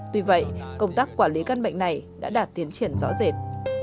tuy vậy công tác quản lý căn bệnh này đã đạt tiến triển rõ rệt